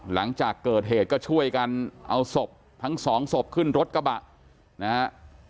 หลังจากเกิดเหตุก็ช่วยกันเอาศพทั้งสองศพขึ้นรถกระบะนะฮะ